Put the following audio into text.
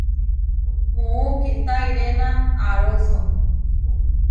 Muú kitáʼirena aaróso.